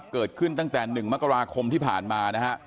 เกิดขึ้นตั้งแต่๑มกราคมที่ผ่านมานะฮะ